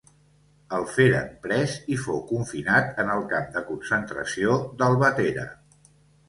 El feren pres i fou confinat en el camp de concentració d'Albatera.